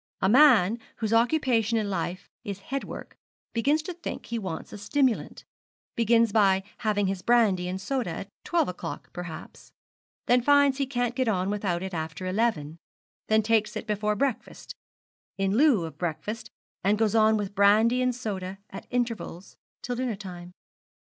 A man, whose occupation in life is headwork, begins to think he wants a stimulant begins by having his brandy and soda at twelve o'clock perhaps; then finds he can't get on without it after eleven; then takes it before breakfast in lieu of breakfast; and goes on with brandy and soda at intervals till dinner time.